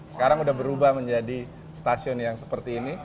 sekarang sudah berubah menjadi stasiun yang seperti ini